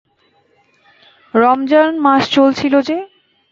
রমজান মাস চলছিল যে।